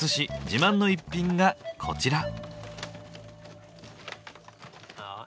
自慢の一品がこちら。